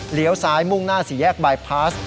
ซ้ายมุ่งหน้าสี่แยกบายพาส